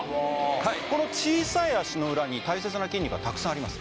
この小さい足の裏に大切な筋肉がたくさんあります